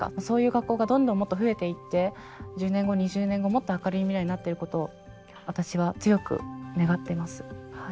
そういう学校がどんどんもっと増えていって１０年後２０年後もっと明るい未来になってることを私は強く願っています。